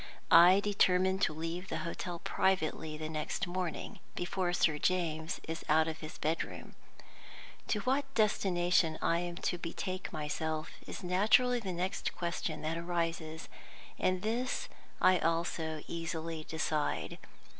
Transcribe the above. I determine to leave the hotel privately the next morning before Sir James is out of his bedroom. To what destination I am to betake myself is naturally the next question that arises, and this also I easily decide.